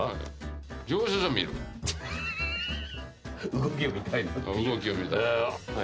動きを見たい。